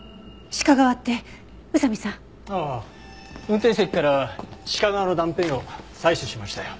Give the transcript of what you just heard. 運転席から鹿革の断片を採取しましたよ。